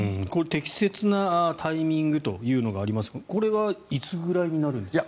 適切なタイミングというのがありますがこれはいつぐらいになるんでしょう。